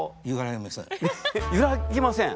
ゆらぎません？